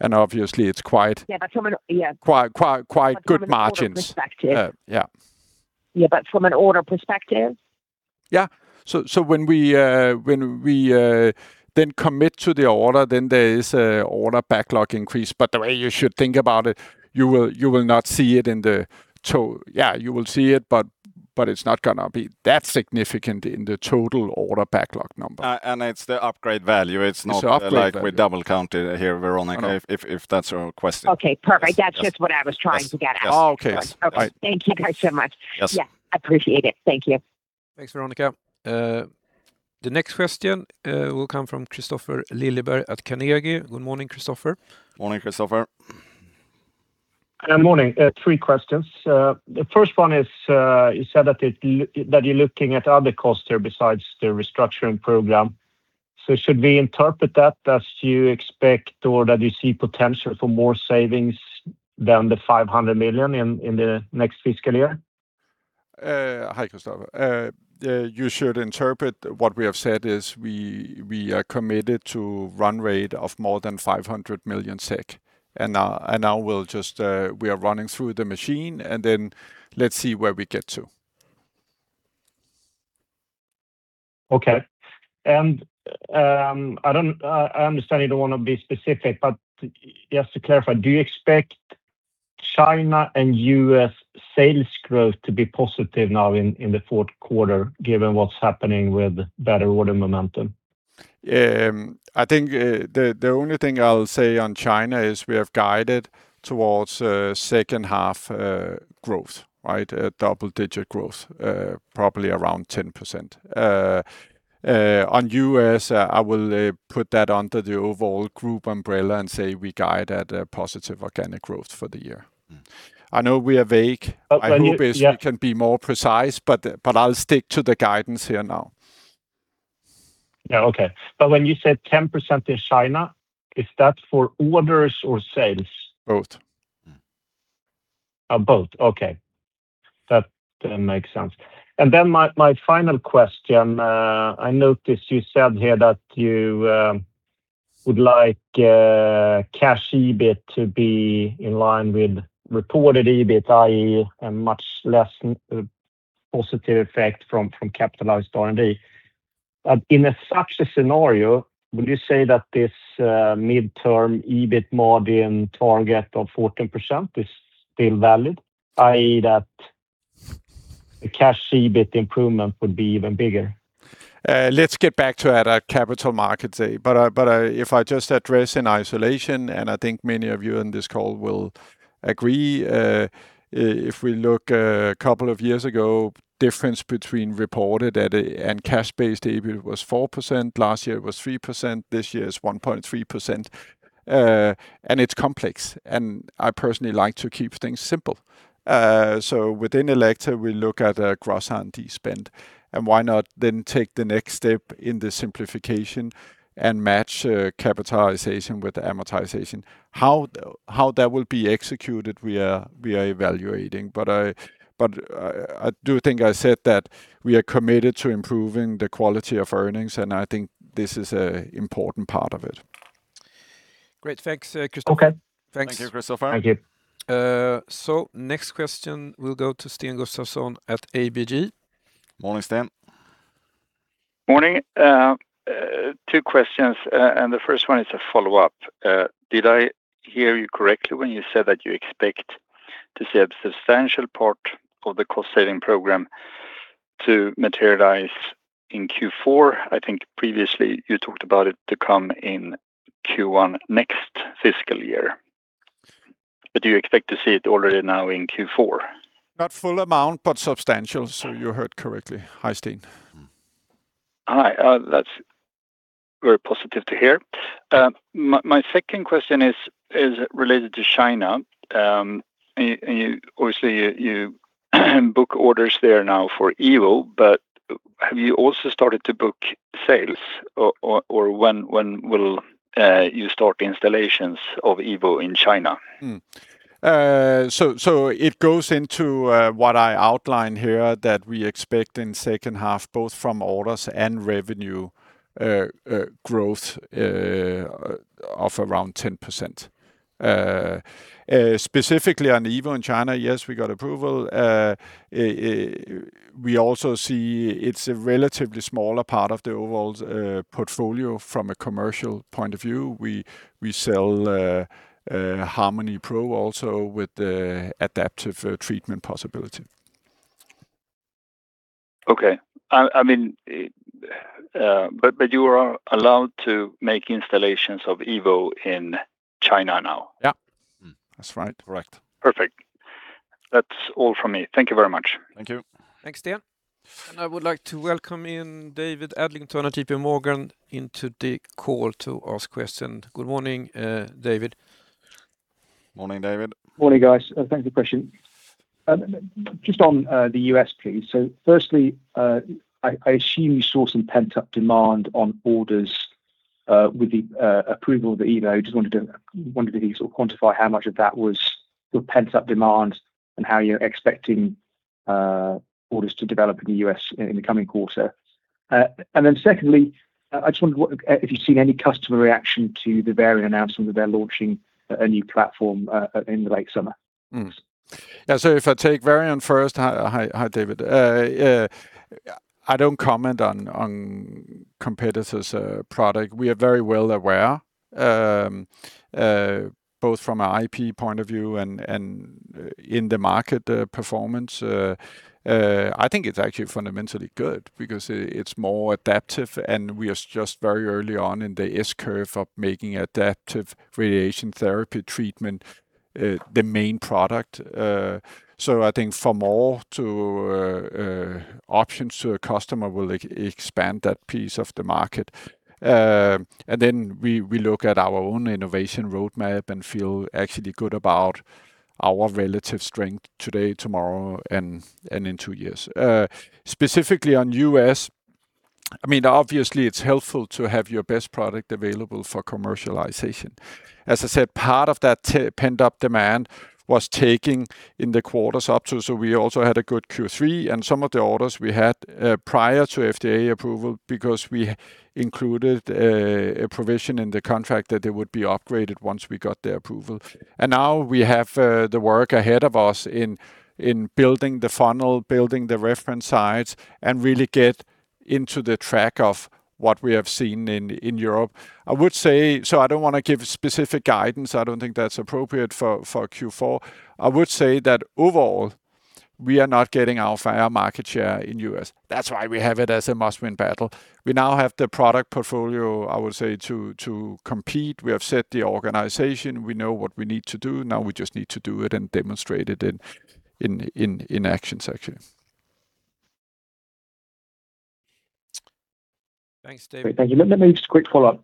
[SPEAKER 2] Obviously, it's.
[SPEAKER 8] Yeah, but from an... Yeah....
[SPEAKER 2] quite good margins.
[SPEAKER 8] From an order perspective.
[SPEAKER 2] Yeah.
[SPEAKER 8] Yeah, from an order perspective?
[SPEAKER 2] When we commit to the order, there is a order backlog increase. The way you should think about it, you will see it, but it's not gonna be that significant in the total order backlog number.
[SPEAKER 3] It's the upgrade value.
[SPEAKER 2] It's the upgrade value....
[SPEAKER 3] like we double count it here, Veronica.
[SPEAKER 2] No
[SPEAKER 3] if that's your question.
[SPEAKER 8] Okay. Perfect.
[SPEAKER 3] Yes. Yes.
[SPEAKER 8] That's just what I was trying to get at.
[SPEAKER 3] Yes. Yes.
[SPEAKER 2] Oh, okay. Yes.
[SPEAKER 8] Okay. Thank you guys so much.
[SPEAKER 3] Yes.
[SPEAKER 8] Yeah, appreciate it. Thank you.
[SPEAKER 1] Thanks, Veronica. The next question will come from Kristofer Liljeberg at Carnegie. Good morning, Kristofer.
[SPEAKER 3] Morning, Kristofer.
[SPEAKER 9] Morning. Three questions. The first one is, you said that you're looking at other costs there besides the restructuring program. Should we interpret that as you expect or that you see potential for more savings than 500 million in the next fiscal year?
[SPEAKER 2] Hi, Kristofer. you should interpret what we have said is we are committed to run rate of more than 500 million SEK. Now we'll just, we are running through the machine, and then let's see where we get to.
[SPEAKER 9] Okay. I understand you don't want to be specific, but just to clarify, do you expect China and U.S. sales growth to be positive now in the fourth quarter given what's happening with better order momentum?
[SPEAKER 2] I think the only thing I'll say on China is we have guided towards second half growth, right? Double digit growth, probably around 10%. On U.S., I will put that under the overall group umbrella and say we guide at a positive organic growth for the year. I know we are vague.
[SPEAKER 9] Yeah.
[SPEAKER 2] I hope as we can be more precise, but I'll stick to the guidance here now.
[SPEAKER 9] Yeah. Okay. When you said 10% in China, is that for orders or sales?
[SPEAKER 2] Both.
[SPEAKER 9] Both. Okay. That makes sense. Then my final question, I noticed you said here that you would like cash EBIT to be in line with reported EBIT, i.e., a much less positive effect from capitalized R&D. In such a scenario, would you say that this midterm EBIT margin target of 14% is still valid, i.e., that the cash EBIT improvement would be even bigger?
[SPEAKER 2] Let's get back to at our Capital Markets Day. If I just address in isolation, and I think many of you in this call will agree, if we look a couple of years ago, difference between reported and cash-based EBIT was 4%, last year it was 3%, this year is 1.3%. It's complex, and I personally like to keep things simple. Within Elekta, we look at a gross R&D spend. Why not then take the next step in the simplification and match capitalization with amortization. How that will be executed, we are evaluating. I do think I said that we are committed to improving the quality of earnings, and I think this is a important part of it.
[SPEAKER 1] Great. Thanks, Kristofer.
[SPEAKER 9] Okay.
[SPEAKER 1] Thanks.
[SPEAKER 2] Thank you, Kristofer.
[SPEAKER 9] Thank you.
[SPEAKER 1] Next question will go to Sten Gustafsson at ABG.
[SPEAKER 2] Morning, Sten.
[SPEAKER 10] Morning. Two questions, the first one is a follow-up. Did I hear you correctly when you said that you expect to see a substantial part of the cost-saving program to materialize in Q4? I think previously you talked about it to come in Q1 next fiscal year. Do you expect to see it already now in Q4?
[SPEAKER 2] Not full amount, but substantial. You heard correctly. Hi, Sten.
[SPEAKER 10] Hi. That's very positive to hear. My second question is related to China. You obviously you book orders there now for EVO, but have you also started to book sales? Or when will you start installations of EVO in China?
[SPEAKER 2] It goes into what I outlined here that we expect in second half, both from orders and revenue growth of around 10%. Specifically on Evo in China, yes, we got approval. We also see it's a relatively smaller part of the overall portfolio from a commercial point of view. We sell Harmony Pro also with the adaptive treatment possibility.
[SPEAKER 10] Okay. I mean, you are allowed to make installations of Evo in China now?
[SPEAKER 2] Yeah.
[SPEAKER 1] That's right.
[SPEAKER 2] Correct.
[SPEAKER 10] Perfect. That's all from me. Thank you very much.
[SPEAKER 2] Thank you.
[SPEAKER 1] Thanks, Sten. I would like to welcome in David Adlington of J.P. Morgan into the call to ask question. Good morning, David.
[SPEAKER 3] Morning, David.
[SPEAKER 11] Morning, guys. Thank you, [my first question]. Just on the U.S., please. Firstly, I assume you saw some pent-up demand on orders with the approval of the Evo. Just wondered if you could sort of quantify how much of that was sort of pent-up demand and how you're expecting orders to develop in the U.S. in the coming quarter. Secondly, I just wondered if you've seen any customer reaction to the Varian announcement that they're launching a new platform in the late summer.
[SPEAKER 2] Yeah. If I take Varian first. Hi, David. I don't comment on competitor's product. We are very well aware, both from an IP point of view and in the market performance. I think it's actually fundamentally good because it's more adaptive, and we are just very early on in the S-curve of making adaptive radiation therapy treatment the main product. I think for more options to a customer will expand that piece of the market. Then we look at our own innovation roadmap and feel actually good about our relative strength today, tomorrow, and in two years. Specifically on, I mean, obviously it's helpful to have your best product available for commercialization. As I said, part of that pent up demand was taking in the quarters up to, so we also had a good Q3 and some of the orders we had prior to FDA approval because we included a provision in the contract that it would be upgraded once we got the approval. Now we have the work ahead of us in building the funnel, building the reference sites, and really get into the track of what we have seen in Europe. I don't wanna give specific guidance, I don't think that's appropriate for Q4. I would say that overall we are not getting our fair market share in U.S. That's why we have it as a Must-Win Battle. We now have the product portfolio, I would say, to compete. We have set the organization. We know what we need to do, now we just need to do it and demonstrate it in actions actually.
[SPEAKER 1] Thanks, David.
[SPEAKER 11] Great. Thank you. Let me just a quick follow-up.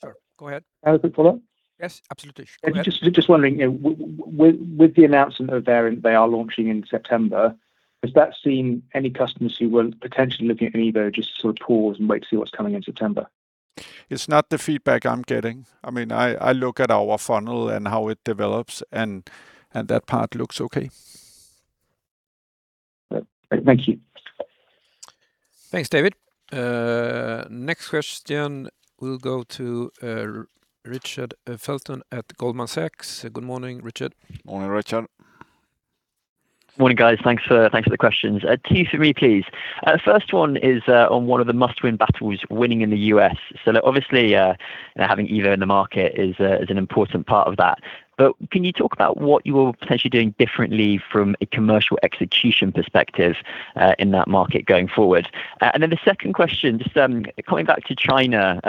[SPEAKER 1] Sorry. Go ahead.
[SPEAKER 11] Can I have a quick follow-up?
[SPEAKER 2] Yes, absolutely. Go ahead.
[SPEAKER 11] Just wondering, you know, with the announcement of a Varian they are launching in September, has that seen any customers who were potentially looking at an Evo just sort of pause and wait to see what's coming in September?
[SPEAKER 2] It's not the feedback I'm getting. I mean, I look at our funnel and how it develops and that part looks okay.
[SPEAKER 11] Thank you.
[SPEAKER 1] Thanks, David. Next question will go to Richard Felton at Goldman Sachs. Good morning, Richard.
[SPEAKER 3] Morning, Richard.
[SPEAKER 12] Morning, guys. Thanks for the questions. Two for me, please. First one is on one of the Must-Win Battles, winning in the U.S. Obviously, you know, having Evo in the market is an important part of that. Can you talk about what you are potentially doing differently from a commercial execution perspective in that market going forward? The second question, just coming back to China,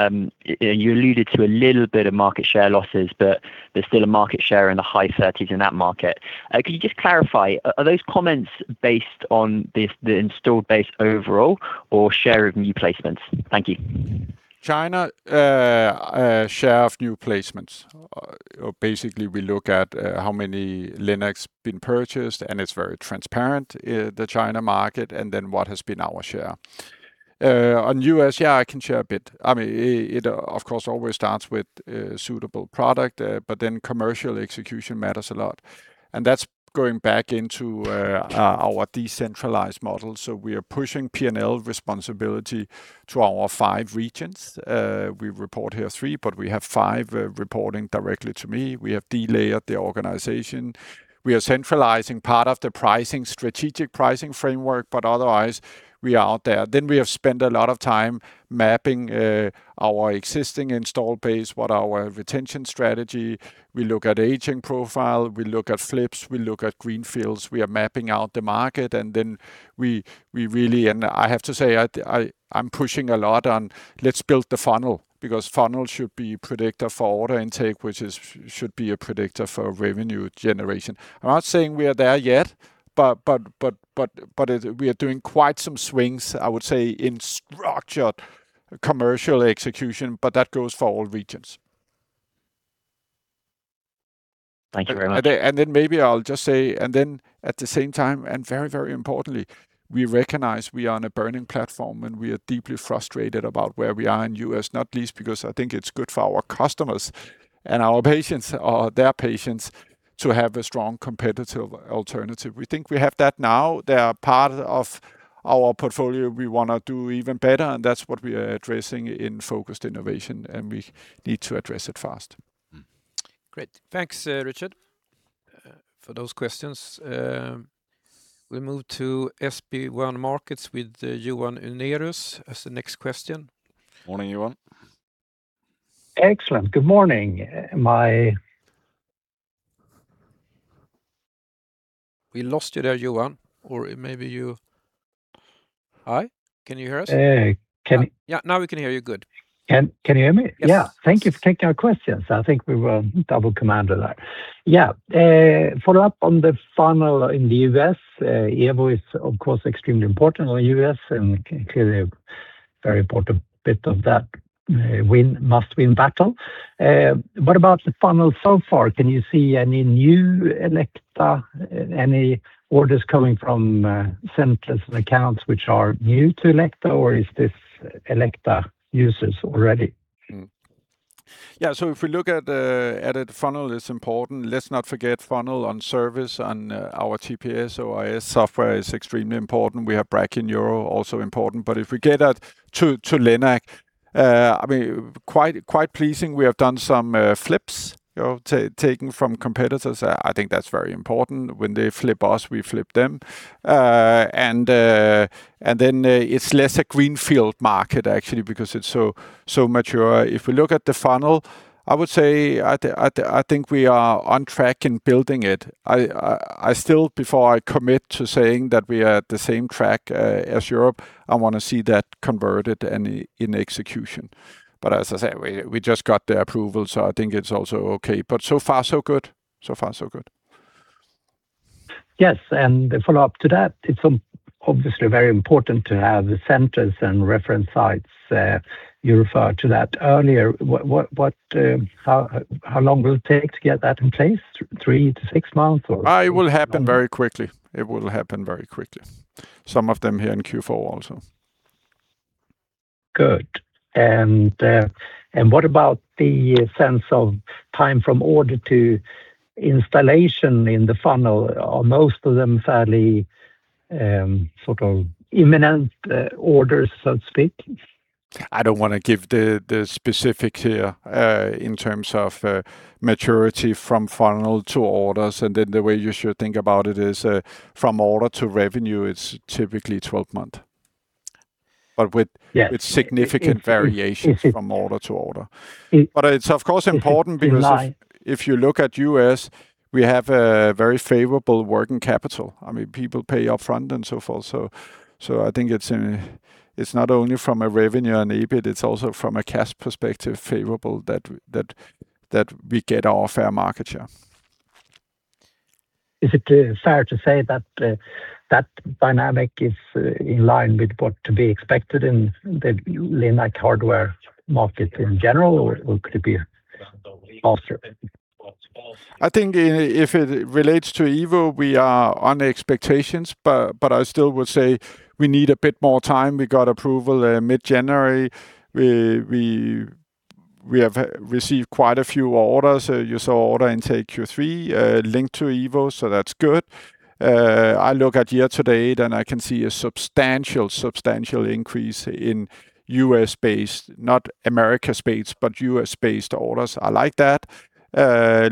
[SPEAKER 12] you know, you alluded to a little bit of market share losses, but there's still a market share in the high thirties in that market. Could you just clarify, are those comments based on the installed base overall or share of new placements? Thank you.
[SPEAKER 2] China, share of new placements. Basically we look at how many LINACs been purchased, it's very transparent, the China market, what has been our share. On U.S., yeah, I can share a bit. I mean, it of course always starts with a suitable product, commercial execution matters a lot, that's going back into our decentralized model. We are pushing P&L responsibility to our five regions. We report here three, but we have five, reporting directly to me. We have de-layered the organization. We are centralizing part of the pricing, strategic pricing framework, otherwise we are out there. We have spent a lot of time mapping our existing install base, what our retention strategy. We look at aging profile, we look at flips, we look at greenfields. We are mapping out the market and then we really. I have to say, I'm pushing a lot on let's build the funnel because funnel should be predictor for order intake, which should be a predictor for revenue generation. I'm not saying we are there yet, but we are doing quite some swings, I would say, in structured commercial execution, that goes for all regions.
[SPEAKER 12] Thank you very much.
[SPEAKER 2] Maybe I'll just say, at the same time, very, very importantly, we recognize we are on a burning platform, and we are deeply frustrated about where we are in U.S., not least because I think it's good for our customers and our patients or their patients to have a strong competitive alternative. We think we have that now. They are part of our portfolio. We wanna do even better, and that's what we are addressing in focused innovation, and we need to address it fast.
[SPEAKER 1] Great. Thanks, Richard, for those questions. We move to SB1 Markets with Johan Unnérus as the next question.
[SPEAKER 2] Morning, Johan.
[SPEAKER 13] Excellent. Good morning.
[SPEAKER 1] We lost you there, Johan. Hi, can you hear us?
[SPEAKER 13] can you-
[SPEAKER 1] Yeah, now we can hear you good.
[SPEAKER 13] Can you hear me?
[SPEAKER 1] Yes.
[SPEAKER 13] Yeah. Thank you for taking our questions. I think we were double commanded there. Yeah. Follow up on the funnel in the U.S. Evo is of course extremely important in the U.S. and clearly a very important bit of that, win, Must-Win Battles. What about the funnel so far? Can you see any new Elekta, any orders coming from, centers and accounts which are new to Elekta, or is this Elekta users already?
[SPEAKER 2] If we look at it, funnel is important. Let's not forget funnel on service on our TPS or IS software is extremely important. We have Brachy and Neuro, also important. If we get that to LINAC, I mean, quite pleasing, we have done some flips, you know, taken from competitors. I think that's very important. When they flip us, we flip them. It's less a greenfield market actually because it's so mature. If we look at the funnel, I would say I think we are on track in building it. I still, before I commit to saying that we are at the same track as Europe, I wanna see that converted and in execution. As I said, we just got the approval, so I think it's also okay. So far so good. So far so good.
[SPEAKER 13] Yes. A follow-up to that, it's obviously very important to have the centers and reference sites, you referred to that earlier. What how long will it take to get that in place? Three to six months or?
[SPEAKER 2] It will happen very quickly. Some of them here in Q4 also
[SPEAKER 13] Good. What about the sense of time from order to installation in the funnel? Are most of them fairly sort of imminent orders, so to speak?
[SPEAKER 2] I don't wanna give the specifics here in terms of maturity from funnel to orders. The way you should think about it is from order to revenue, it's typically 12 month.
[SPEAKER 13] Yeah...
[SPEAKER 2] with significant variations from order to order. It's of course important because if you look at U.S., we have a very favorable working capital. I mean, people pay upfront and so forth. I think it's not only from a revenue and EBIT, it's also from a cash perspective favorable that we get our fair market share.
[SPEAKER 13] Is it fair to say that that dynamic is in line with what to be expected in the LINAC hardware market in general or could it be off?
[SPEAKER 2] I think if it relates to Evo, we are on expectations, but I still would say we need a bit more time. We got approval mid-January. We have received quite a few orders. You saw order intake Q3 linked to Evo, so that's good. I look at year to date, and I can see a substantial increase in U.S.-based, not America space, but U.S.-based orders. I like that.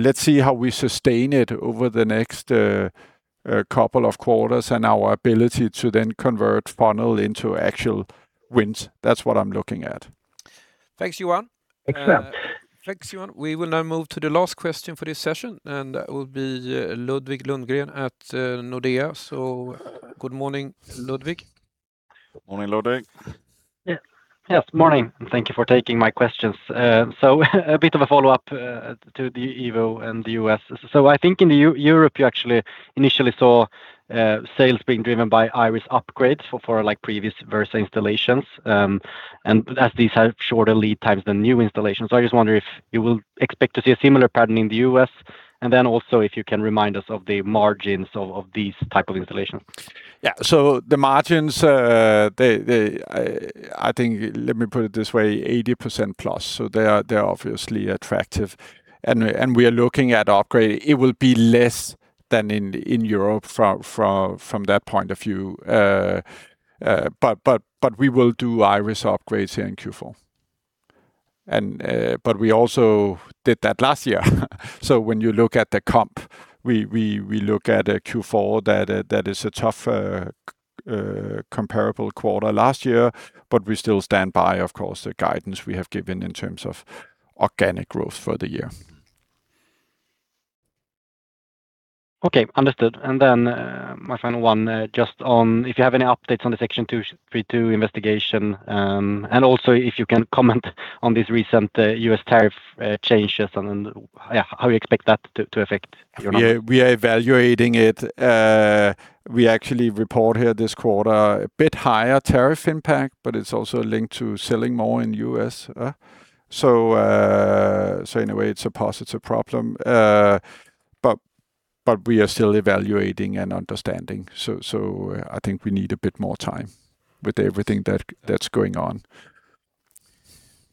[SPEAKER 2] Let's see how we sustain it over the next couple of quarters and our ability to then convert funnel into actual wins. That's what I'm looking at.
[SPEAKER 1] Thanks, Johan.
[SPEAKER 2] Thanks, Johan.
[SPEAKER 1] Thanks, Johan. We will now move to the last question for this session, and that will be Ludvig Lundgren at Nordea. Good morning, Ludvig.
[SPEAKER 2] Morning, Ludvig.
[SPEAKER 14] Yes, morning, and thank you for taking my questions. A bit of a follow-up to the Elekta Evo and the U.S. I think in Europe, you actually initially saw sales being driven by Iris upgrades for like previous Versa installations, as these have shorter lead times than new installations. I just wonder if you will expect to see a similar pattern in the U.S., also if you can remind us of the margins of these type of installations.
[SPEAKER 2] The margins, I think, let me put it this way, 80%+, they are obviously attractive. We are looking at upgrade. It will be less than in Europe from that point of view. We will do Iris upgrades here in Q4. We also did that last year. When you look at the comp, we look at Q4 that is a tough comparable quarter last year, but we still stand by, of course, the guidance we have given in terms of organic growth for the year.
[SPEAKER 14] Okay, understood. My final one, just on if you have any updates on the Section 232 investigation, and also if you can comment on this recent, U.S. tariff changes and then how you expect that to affect your margin?
[SPEAKER 2] Yeah, we are evaluating it. We actually report here this quarter a bit higher tariff impact, but it's also linked to selling more in U.S., so anyway, it's a positive problem. We are still evaluating and understanding. I think we need a bit more time with everything that's going on.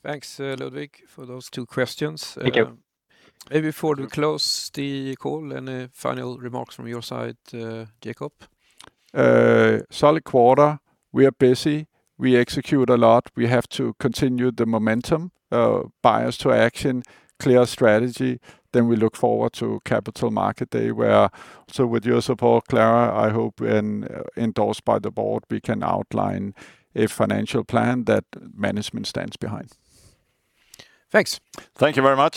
[SPEAKER 1] Thanks, Ludvig, for those two questions.
[SPEAKER 14] Thank you....
[SPEAKER 1] before we close the call, any final remarks from your side, Jakob?
[SPEAKER 2] Solid quarter. We are busy. We execute a lot. We have to continue the momentum, bias to action, clear strategy. We look forward to Capital Markets Day with your support, Klara, I hope when endorsed by the Board, we can outline a financial plan that management stands behind.
[SPEAKER 1] Thanks.
[SPEAKER 2] Thank you very much.